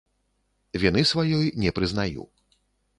Віны сваёй не прызнаю.